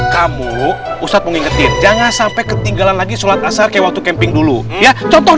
kamu ustadz mau ngingetin jangan sampai ketinggalan lagi sholat asar kayak waktu camping dulu ya contoh